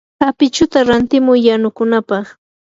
apichuta rantimuy yanukunapaq.